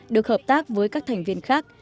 được hợp tác với các thành viên khác